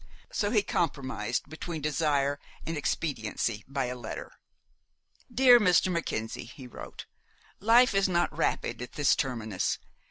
So he compromised between desire and expediency by a letter. "DEAR MR. MACKENZIE," he wrote, "life is not rapid at this terminus.